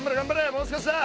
もう少しだ。